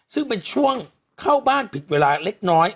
ซึ่งเป็นช่วงเข้าบ้านผิดเวลาเล็กน้อย